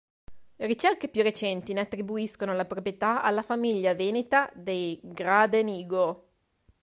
Ricerche più recenti ne attribuiscono la proprietà alla famiglia veneta dei Gradenigo.